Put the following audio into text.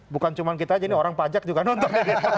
bukan cuma kita aja ini orang pajak juga nonton